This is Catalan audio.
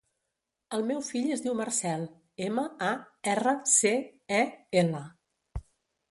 El meu fill es diu Marcel: ema, a, erra, ce, e, ela.